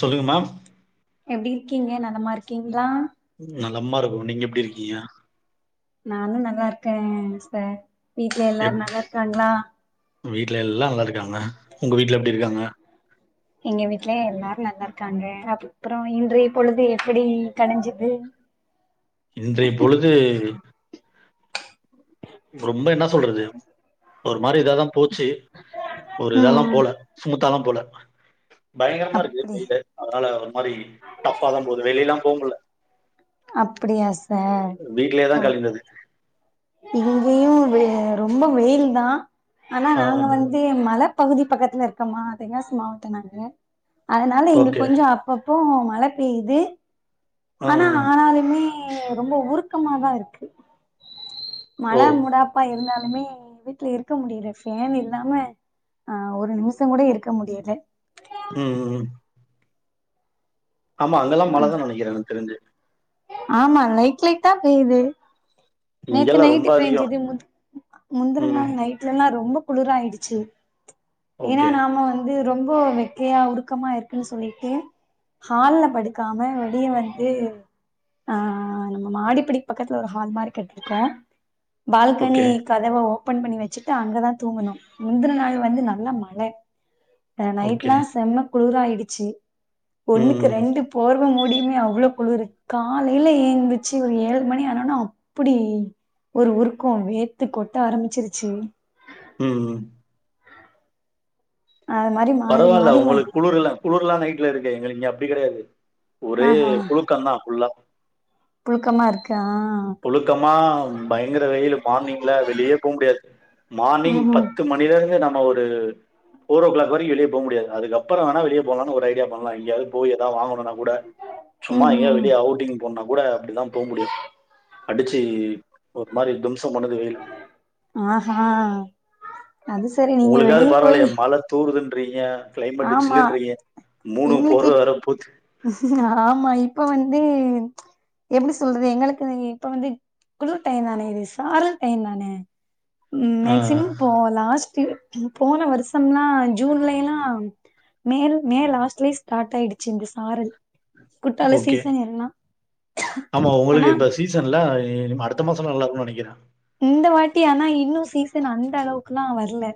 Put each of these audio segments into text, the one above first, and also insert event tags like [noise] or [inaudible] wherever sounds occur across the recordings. சொல்லுங்க மேம் எப்டி இருக்கீங்க நலமா இருக்கீங்களா நலமா இருக்கோ நீங்க எப்டி இருக்கீங்க நானும் நல்லா இருக்கே சார் வீட்ல எல்லாரு எப்- நல்லாருக்காங்களா வீட்ல எல்லா நல்லா இருக்காங்க உங்க வீட்ல எப்டி இருக்காங்க எங்க வீட்ல எல்லாரு நல்லாருக்காங்க அப்றோ இன்றைய பொழுது எப்படி கடஞ்சது இன்றைய பொழுது ரொம்ப என்ன சொல்றது ஒரு மாரி இதாதா போச்சு ஒரு இதால்லா ம் போல சுமுத்தாலா போல பயங்கரமா இருக்கு அப்படி வெயிலு அதனால ஒரு மாரி டஃபா தான் போது வெளியலா போமுல்ல அப்டியா சார் வீட்லயே ஓ தான் கழிந்தது இங்கயூ வே ரொம்ப வெயில் தா ஆனா நாங்க வந்து மழ பகுதி பக்கத்துல இருக்கம்மா தென்காசி மாவட்டொ நாங்க அதனால இங்க ஓகே கொஞ்ஜொ அப்பப் இப்போ மழ பெய்து ஆனா ம் ஆனாலுமே ஏ ரொம்ப உருக்கமாதா இருக்கு ஓ மழ முடாப்பா இருந்தாலு இப்பமே வீட்டுல இருக்க முடியற ஃபேன் இல்லாம ஆ ஒரு நிம்ஸங் கூட இருக்க முடியல உம் ம் ம் ஆமா அங்கல்லா மழதா நெனைக்றே எனக் தெரிஞ்சு ஆமா லைட் லைட்டா பேய்து நேத்து இங்கெல்லாம் ரொம்ப நைட்டு் அதிகம் பெஞ்சிது முந்த் முந்தின ம் நாள் நைட்லல்லா ரொம்போ குளுராயிடுச்சு ஏன்னா ஓகே நாம வந்து ரொம்ப வெக்கையா உருக்கமா இருக்குன்னு சொல்லிட்டு ஹால்ல படுக்காம வெளிய வந்து ஆ நம்ம மாடிப்பிடி பக்கத்தில ஒரு ஹால் மாரி கெட்டிர்க்கோ பால்கனி ஓகே கதவ ஓ ஓப்பன் பண்ணி வச்சுட்டு அங்கதா தூங்குனோ முந்துன நாள் வந்து நல்ல மழ அ ஓகே நைட்லா செம்ம குளுர்ராய் டிச்சி ஒன்னுக்கு ம் ம் ரெண்டு போர்வ மூடி பிமே அவ்ளோ குளுரு காலையில ஏந்துச்சு ஒரு ஏழு மணி ஆனோனா அப்டி ஒரு உருக்கோ வேத்து கொட்ட ஆரம்பிச்சிருச்சி ம் ம் அது மாரி மாறி பரவால்ல மாறி வ உங்குளுக்கு குளூரில்லா குளுர்லா நைட்ல இருக்கு எங்களு இங்க அப்டி கெடையாது ஒரே ஆஹா புழுக்கம் தான் ஃபுல்லா புழுக்கமா இருக்கு ஆ புழுக்கமா பயங்கர வெயிலு மார்னிங்ல வெளியே போக முடியாது மார்னிங் ம்ஹும் பத்து மணில இருந்து நம்ம ஒரு ஃபோரோ கிளாக் அதுவரைக்கும் வெளிய போக முடியாது அதுக்கப்பறம் வேணா வெளிய போலானு ஒரு ஐடியா பண்லா எங்யாவது போயி ஏதாவது வாங்கணு னா கூட சும்மா எங்கயாவது ம்ஹும் வெளிய அவுட்டிங் போனுனா கூட அப்டிதான் போமுடியும் அடுச்சு ஆஹா அது சே உங்களுக்காது பரவால்லயே மழத்தூ கூடுதுன்றீங்க கிளைமேட்டு ஆமா சில்லுன்றீங்க மூணு எங்களுக்கு போருவ வேர போத்தி ஆமா இப்ப வந்து ச் எப்டி சொல்றது எங்களுக்கு இப்ப வந்து குளுர் டைம் தான இது சாரல் டைம் தான உம் மேக்ஸிமம் போலாஸ்ட் [unintelligible] போன வருஷம்ல்லா ஜூன்லேலாம் மேல மே லாஸ்ட்லயே ஸ்டார்ட் ஆய்டுச்சு ஆறு ஓகே ஆமா ஆனா உங்களுக்கு இப்ப சீசன்ல டெய்லியு அடுத்த மாசம் நல்லா இருக்கும்னு நெனைக்கிறேன் இந்த வாட்டி ஆனா இன்னும் சீசன் அந்த அளவுக்குல்லாம் வர்ல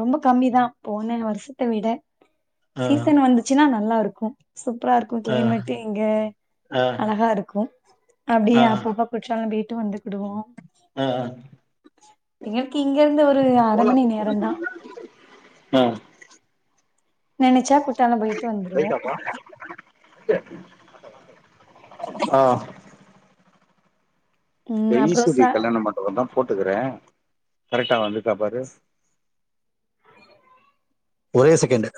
ரொம்ப கம்மிதான் போன வருஷத்த விட ஆ, சீசன் வந்துச்சுன்னா நல்லாரு இருக்கும் சூப்பரா இருக்கும் ஆ, கிளைமேட்டு் இங்க ஆ, அழகா இருக்கும் அப்டியே ஆ, அப்போப்பா குச்சாலும் அப்டியே ட்டு வந்துகிடுவோம் ஆ. எங்களுக்கு இங்க இருந்து ஒரு அர மணி நேரம்தான் ஆ நெனைச்சா குற்றாலம் போய்ட்டு வந்துருவோம் ஆஹ் இந்த ம் அப்றோ யீஸ்வரி ச கல்யண மண்டபதா போட்டுக்கிறே கரெக்டா வந்துக்கா பாரு ஒரே செகண்ட்டு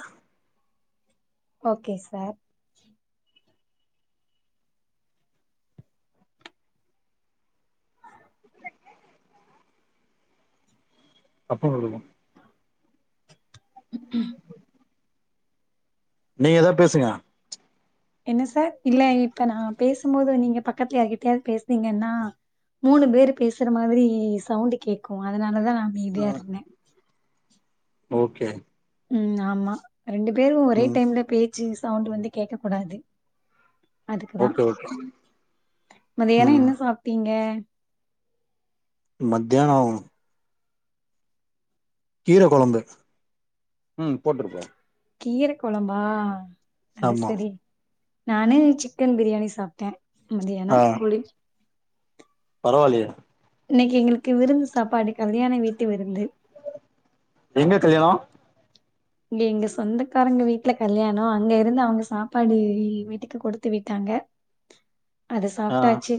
ஓகே சார் அப்போ ஒரு [inaudible] நீங்க ஏதா பேசுங்க என்ன சார் இல்ல இப்ப நான் பேசும்போது நீங்க பக்கத்துல யார்கிட்டயாவது பேசுனீங்கன்னா மூணு பேர்ரு பேசுற மாதிரி சவுண்டு கேக்கும் அதனாலதான் அமைதியா இருந்தே ஓகே ம் ஆமா ரெண்டு பேரும் ஒரே ம் டைம்ல போய் ஜி சவுண்டு வந்து கேட்க கூடாது அதுக்குதான் ஓகே ஓகே மதியானம் ம் என்ன சாப்டீங்க [inaudible] மத்தியானம் கீரை குழம்பு ம் போற்றுப்பா கீற கொலம்பா அது ஆமா சரி நானு சிக்கன் பிரியாணி சாப்ட்டேன் மதியானம் குளி பரவால்லயா இன்னைக்கு எங்களுக்கு விருந்து சாப்பாடு கல்யாண வீட்டு விருந்து எங்க கல்யாணம் இங்க எங்க சொந்தக்காரங்க வீட்ல கல்யாணம் அங்க இருந்து அவங்க சாப்பாடு வீட்டுக்கு கொடுத்து விட்டாங்க அதை ஆ சாப்ட்டாச்சு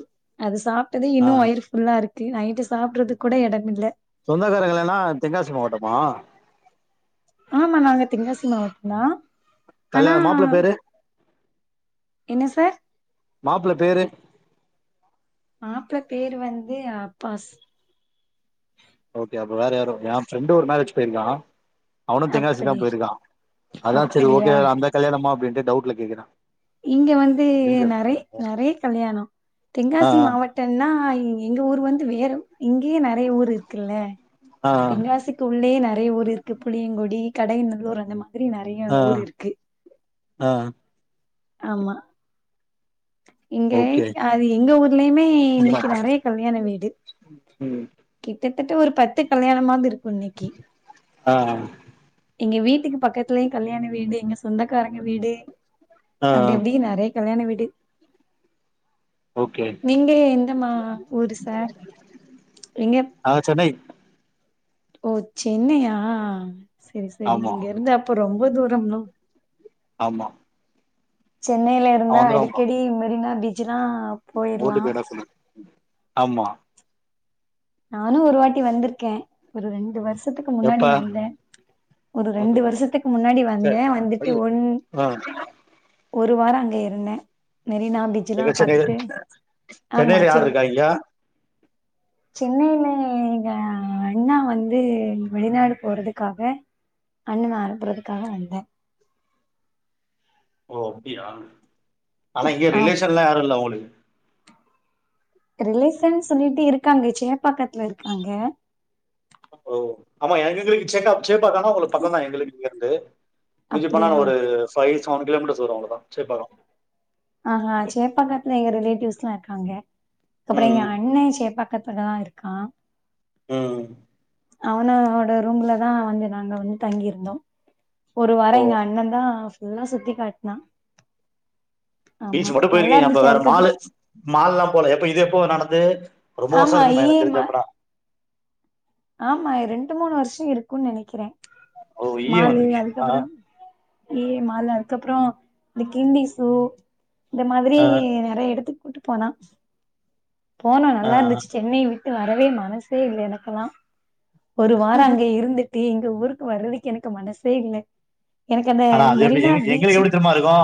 அது சாப்ட்டதே ஆ இன்னும் வயிறு புல்லா இருக்கு நைட்டு சாப்பிடுறது கூட எடம் இல்லை சொந்தக்காரங்கள்ன்னா தென்காசி மாவட்டமா ஆமா நாங்க தென்காசி மாவட்டம் தான் ஆனா கல்யாணம் மாப்பிள்ள பேரு என்ன சார் மாப்பிள்ள பேரு மாப்ள பேரு வந்து அப்பாஸ் ஓகே அப்ப வேற யாரும் என் ஃப்ரெண்டும் ஒரு மேரேஜ் போயிருக்கான் அவனும் தெங்காசி தான் அப்படி போயிருக்கான் அததான் சரி ஓகே அப்படியா அந்த கல்யாணம்மா அப்படின்னு டவுட்ல கேக்குற இங்க வந்து நிறைய நிறைய கல்யாணம் ஆ தென்காசி மாவட்டம்ன்னா எங்க ஊர் வந்து வேறு இங்கேயே நிறைய ஊர் இருக்குல்ல ஆ ஆ தெனங்காசிக்கு உள்ளே நிறைய ஊர் இருக்கு புளியங்குடி கடையநல்லூர் அந்தமாரி நிறைய ஆ ஊர் இருக்கு ஆமா எங்க ஓகே அது எங்க ஊர்லயுமே இன்னைக்கு நிறைய கல்யாண வீடு ம் கிட்டத்தட்ட ஒரு பத்து கல்யாணமாவது இருக்கு இன்னைக்கு ஆஹ்ஹ் எங்க வீட்டுக்கு பக்கத்துலயும் கல்யாண வீடு எங்க சொந்தக்காரங்க வீடு ஆ அப்டி அப்டி நிறைய கல்யாண வீடு ஓகே நீங்க எந்த ஊரு சார் நீங்க ஆ சென்னை ஓ சென்னையா செரி செரி ஆமா இங்க இருந்து அப்புறம் ரொம்ப தூரம்ல ஆமா சென்னையில அவ இருந்தா வந்துருவா அடிக்கடி மெரினா பீச் ஆ ஓட்டு போயிரலாம் போயிட சொல்லு ஆமா நானும் ஒரு வாட்டி வந்திருக்கேன் ஒரு ரெண்டு வருஷம் வருத்துக்கு முன்னாடி எப்ப வந்தேன் ஒரு ரெண்டு வருஷத்துக்கு முன்னாடி சரி வந்தேன் வந்துட்டு ஐயோ ஒன் ஆ ஒரு ஒரு வாரம் அங்க இருந்தேன் இங்க சென்னை ஆமா சென்னையல சென் யார்ருக்கா இங்க சென்னையில எங்க அண்ணா வந்து வெளிநாடு போறதுக்காக அண்ணன் அனுப்பறதுக்காக வந்தேன் ஓ அப்டியா ஆனா இங்க ஆம் ரிலேஷன்ல யாரும் இல்ல உங்களுக்கு ரிலேசன் சொல்லிட்டு இருக்காங்க சேப்பாக்கத்துல இருக்காங்க ஓ ஆமா என்ங்களுக்கு [inaudible] சேகாப்பாகம்னா உங்களுக்கு பக்கம் தான் எங்க வீட்ல இருந்து மின்ஜி போன அப்டியா ஒரு ஃபைவ் ஒன் கிலோமீட்டர்ஸ் வரும் அவுளோ தான் சோப்பக்கம் ஆஹா சேப்பக்கத்துல எங்க ரிலாய்ட்டிவ்ஸ் இருக்காங்க அப்புறம் எங்க ம் அண்ணன் சேப்பா பக்கத்துக்க தான் இருக்கான் ம் அவனோட ரூம்லதான் வந்து நாங்க வந்து தங்கிருந்தோம் ஒரு ஓ வாரம் எங்க அண்ணன் தான் எல்லாம் சுத்தி காட்னா ஆமா பீச் மட்டும் நல்லா போயிருக்கீங்க அப்ப இருந்துச்சு வேற அதுக்கப்றோ மாலு மால்லாம் போலய எப்ப இதே [unintelligible] ரொம்ப வருஷம் ஆமா இருக்கும இ என் எம் தெரிஞ்சா ஆர் அப்பநான ஆமா ரெண்டு மூணு வருஷம் இருக்கும்ன்னு நினைக்கிறேன் ஓ! ஈய மாலு வந்திருக்கீங்களா? அதுக்கப்புறம் ஏ மால அதுக்கப்புறம் இந்த கிண்ணி இந்த மாதிரி அ, நெறய எடுத்து வூட்டு தானா போனோ அ. நல்லா இருந்துச்சு சென்னை விட் வரவே மனசே இல்ல எனக்கெல்லா ஒரு வாரோ அங்க இருந் த்தி எங்க ஊருக்கு வர்றதுக்கு எனக்கு மனசே இல்ல எனக்கு அந்த ஆனா அது எப்டி மெரினா எங் எங்களுக்கு பீச்சு எப்டி தெரிமாருக்கு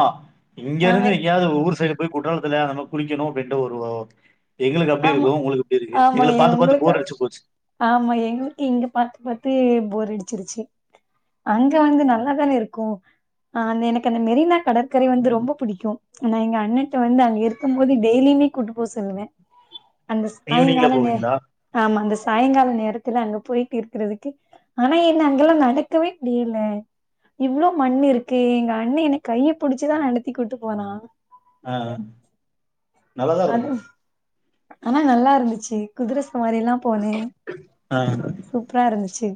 இங்க ஆ இருந்து எங்கயாவ்து ஊர் சைடு போய் குற்றாலத்துல அந்த குளிக்கணு அப்டின்ட்டு [unintelligible] ஆமா ஆமா எ பார்த்து உங்குளுக்கு அ போர் அடிச்சு போச்சு. ஆமா எங்ளுக் இங்க பாத்து பாத்து போர் அடி திருச்சி அங்க வந்து ம். நல்லாதான இருக்கூ ஆ அந்த எனக் அந்த மெரினா கடற்கரை வந்து ரொம்ப புடிக்கு ஆனா எங்க அண்ணட்ட வந்து அங்க இருக்கும் போது டெய்லியுமே கூட்டு போக சொல்லுவே அந்த ஈவினிங்ல சாய்ங்கால நே போவீங்களா? ஆமாங்க அந்த சாய்ங்கால நேரத் த்துல அங்க போயிட்டு இருக்கிறதுக்கு ஆனா என்ன அங்கெல்லா நடக்கவே முடியில இவ்ளோ மண்ணு இருக்கு எங்க அண்ணெ என்ன கைய புடிச்சி தா நடத்தி கூட்டு போனா அ நல்லாதா இருக்கு அது ஆனா நல்லா இருந்துச்சி குதர ச வாரில்லா போனே ஆ. சூப்பரா இருந்துச்சு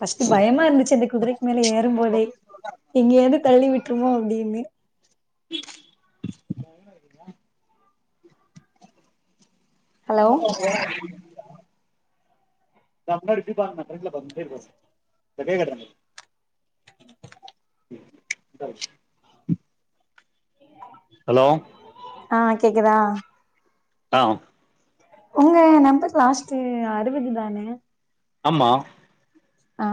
பஸ்ட் பயமா இருந்துச்சு அப்டி குதரைக்கு மேல ஏறுபோதே எங்கெது தள்ளி விட்டுருமோ அப்டின்னு பயமா இருத்துச்சா ஹலோ [unintelligible] [unintelligible] உக்காருங்க ஹலோ அ கேக்குதா அ உங்க நம்பர் லாஸ்ட் அறுவது தான ஆமா அ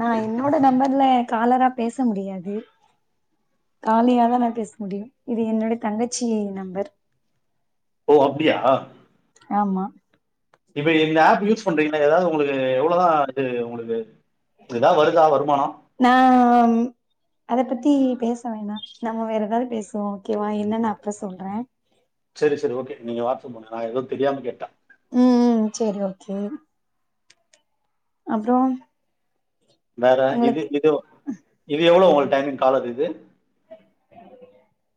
நா என்னோட நம்பர்ல காலராப் பேச முடியாது காலியாதா நா பேச முடியு இது என்னோட தங்கச்சி நம்பர் ஓ அப்டியா ஆமா இப்ப இந்த ஆப் யூஸ் பண்றீங்ள எதாவ்து உங்குளுக்கு எவ்லோ தா இது உங்களுக் இதுதா வருதா வருமானோ அங் அத பத்தி பேச வேணா நாம வேற எதாவத் பேசுவோ ஓகேவா என்னனு அப்பறோ சொல்றே செரி செரி ஓகே நீங்க வாட்அப் பண்ணுங்க நா எதோ தெரியாம கேட்ட உம் செரி ஓகே அப்றோ வேற இது உங்களுக்கு இது இது எவ்ளோ டைமிங் காலர் இது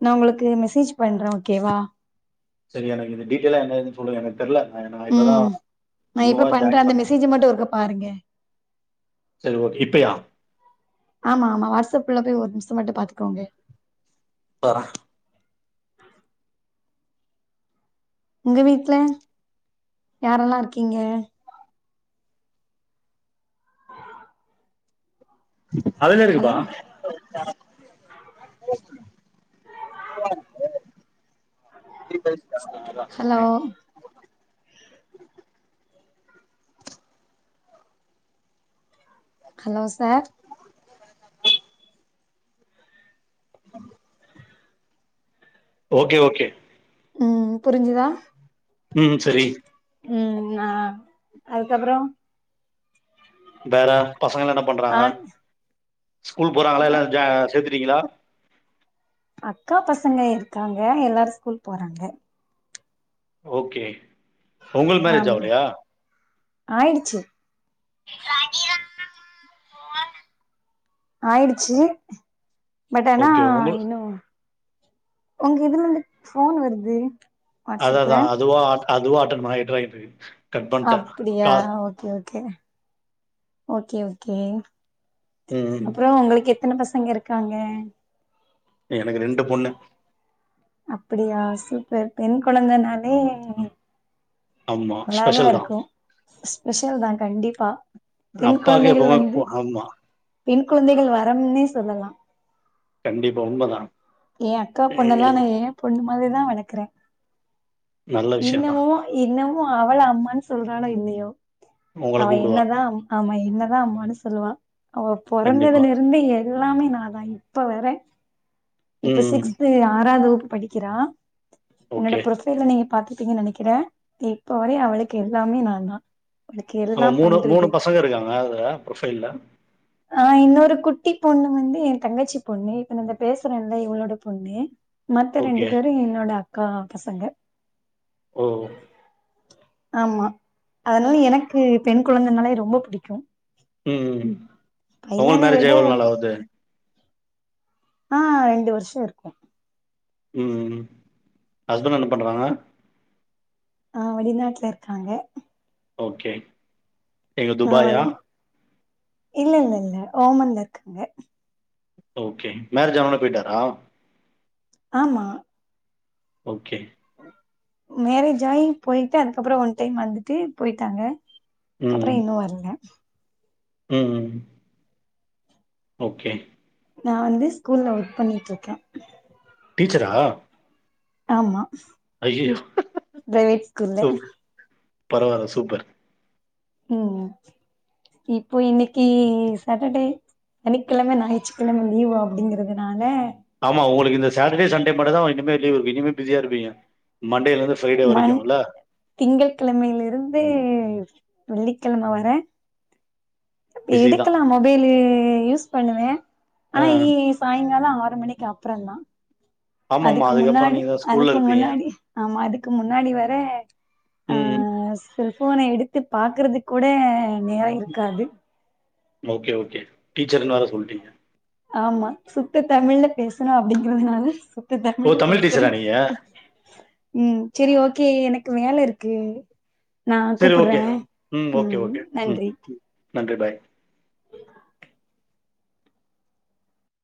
நா உங்களுக்கு மெசேஜ் பண்றே ஓகேவா செரி எனக்கு இது டீடேல்லா என்ன எதுன்னு சொல்லுங்க எனக்கு தெர்ல நா நா இப்பதான் ம் நா இப்ப நியூவா பண்ற ஜாயின் அந்த பண்ண மெசேஜ மட்டு ஒருக்கா பாருங்க சரி ஓகேப் இப்பையா ஆமா ஆமா வாட்ஸ்ஷப்ல குல்ல போய் ஒரு நிம்சோ மட்டும் பாத்துக்கோங்க ப்பா உங்க வீட்ல யாரெல்லா இருக்கீங்க ஹலோ அதலெல்லா எதுக்குப்பா [inaudible] எதா சொன்னாதா hello hello sir okay okay ம் புரிஞ்சுதா ம் சரி ம் நா அதுக்கப்பற வேற பசங்களா என்ன ஆ பண்றாங்க ஸ்கூல் போறாங்களா எல்லா ஜா சேத்துட்டிங்களா அக்கா பசங்க இருக்காங்க எல்லாரு ஸ்கூல் போறாங்க ஓகே உங்களுக் மேரேஜ் ஆம் ஆவலையா ஆயிடுச்சு ஆயிடுச்சு பட் ஆனா ஓகே உங்கள் இன்னு உங்க இதுல இருந்து ஃபோன் வருது வாட்ஸ்அப்ல அதாதா அதுவா ஆட் அதுவா அட்டன் மைட் ராயிட்ருக்கு அப்பிடியா ஓகே ஓகே ஓகே ஓகே ம் ம். அப்புரோ உங்களுக்கு எப் த்தன பசங்க இருக்காங்க எனக்கு ரெண்டு பொண்ணு அப்படியா சூப்பர் பெண் கொழந்த நாலே ஆமாம் நல்லாதா ஸ்பெஷல் தான் இருக்கும் ஸ்பெஷல் தான் கண்டிப்பா பெண் அப்பாவுக்கு கொழந்தைகள் எப்பவுமே வந்து ஆமாம் பெண் குழந்தைகள் வரம்னே சொல்லலா கண்டிப்பா உண்மதா ய அக்கா பொண்ணல்லாம் நா யேன் பொண்ணுமா மாரிதா வளக்கறே நல்ல விஷயம் தான் இன்னமு இன்னும் ஒ அவள அம்மான் சொல்றாளோ இல்லயோ உங்களை அவ கூப்பிடுவா என்னதா அம் ஆமை என்னதா அம்மான்னு சொல்லுவா அவ கண்டிப்பாக பொறந்ததுல இருந்தே என் எல்லாமே நாதா இப்ப வர இப்ப ம். சிக்ஸ்த்து ஆறாது படிக்கிறா என்னோட ஓகே. ப்ரொஃபைல நீங்க பாத்து ங்க நினைக்கிறே இப்ப வர அவளுக்கு எல்லாமே நாந்தா ஆமா மூணு மூணு பசங்க இருக்காங்க அதுல புரொபைல்ல ஆ இன்னொரு குட்டி பொண்ணு வந்து என் தங்கச்சி பொண்ணு இப்ப நம்ப பேசு இத்தனோண்டுதா இவளோட பொண்ணு மத்த ஓகே. ரெண்டு பேரு என்னோட அக் ஆ பசங்க ஓஹ் ஆமா அதனால எனக்கு பெண் குழந்தனாலே ரொம்ப புடிக்கும் ம்ம் உங்களுக்கு மேரேஜ் விட ஆயி எவ்ளோ நாள் ஆவுது ஆ ரெண்டு வருஷம் இருக்கும் ம் ஹஸ்பண்ட் என்ன பண்றாங்க ஆ வெளிநாட்ல இருக்காங்க ஓகே எங்க நா வந் துபாயா இல்ல இல்ல இல்ல ஓமன்ல இருக்காங்க ஓகே மேரேஜ் ஆனவொன்ன போய்ட்டாரா ஆமா ஓகே மேரேஜ் ஆயி போயிட்டு அதுக்கப்பறோ ஒன் டைம் வந்துட்டு போய்ட்டாங்க கப்பறோ இன்னு வரல ம் ம் ஓகே நா வந்து ஸ்கூல்ல ஒர்க் பண்ணிட்ருக்கே டீச்சரா ஆமா ஐயயோ! பிரைவேட் ஸ்கூல்ல பரவாயில்ல சூப்பர் ம் ம் இப்போ இன்னக்கி சாட்டர்டே சனிக்கிழம ஞாயிற்றுக்கிழம லீவு அப்டிங்கிறதுனால ஆமா உங்களுக்கு இந்த சாட்டர்டே சண்டே மட்டுதா இனிமே லீவு இருக்கு இனிமே பிஸியா இருப்பீங்க மண்டேலருந்து ஃப்ரைடே மண் வரைக்கும்ல. திங்கக் கிழமையிலிருந்து வெள்ளிக்கிழம வர பிஸி தான். எடுக்கலாம் மொபைலு யூஸ் பண்ணுவேன் ஆ. ஆனா ஈவினிங் சாயங்காலம் ஆவு ஆறு மணிக்கு அப்றந்தா ஆமாமா. அதுக்கு அதுக்கப்புறம் முன்னாடி நீங்க தான் ஸ்கூல்ல அதுக்கு இருப்பீங்க. முன்னாடி ஆமா அதுக்கு முன்னாடி வர ஆ ம். செல்ஃபோன எடுத்து பாக்கறதுக் கூட நேர இருக்காது ஓகே ஓகே டீச்சர்னு வேற சொல்டிங்க ஆமா சுத்த தமிழ்ல பேசணு அப்படிங்கிறதுனால சுத்த ஓ! தமிழ்ல தமிழ் பேசுறே டீச்சரா நீங்க? உம் சரி ஓக் கே எனக்கு வேல இருக்கு நா சேர் ஓகே கூப்புட்றே ம் ஓகே ஓகே ம் நன்றி பாய்